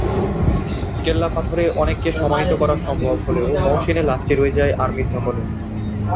কেল্লাপাথরে অনেককে সমাহিত করা সম্ভব হলেও মহসিনের লাশটি রয়ে যায় আর্মির দখলে।